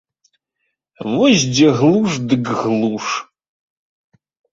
Вось дзе глуш дык глуш.